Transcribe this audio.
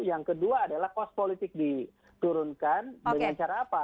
yang kedua adalah kos politik diturunkan dengan cara apa